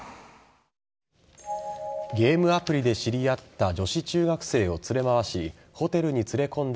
ゲームアプリで知り合った女子中学生を連れ回しホテルに連れ込んだ